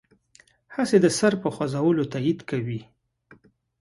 هسې د سر په خوځولو تایید کوي.